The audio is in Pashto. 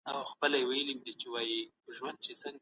جنایتکاران باید د خپلو کړنو سزا وویني.